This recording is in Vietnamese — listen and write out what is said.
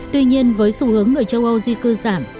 tuy nhiên với xu hướng người châu âu di cư giảm